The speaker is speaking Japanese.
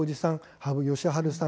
羽生善治さん